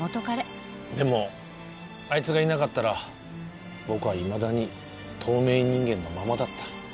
でもあいつがいなかったら僕はいまだに透明人間のままだった。